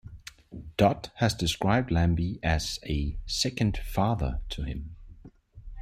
Dott has described Lambie as a "second father" to him.